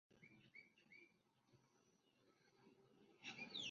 雄鱼在接近雌鱼时头部和鳍上会出现结节。